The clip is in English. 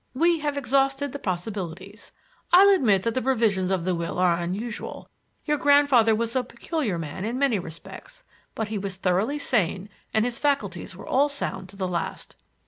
We have exhausted the possibilities. I'll admit that the provisions of the will are unusual; your grandfather was a peculiar man in many respects; but he was thoroughly sane and his faculties were all sound to the last."